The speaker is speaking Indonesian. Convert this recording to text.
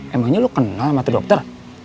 emangnya lu kenal sama tuh dokter